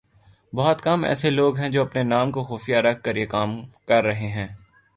بہت کم ایسے لوگ ہیں جو اپنے نام کو خفیہ رکھ کر یہ کام کررہے ہیں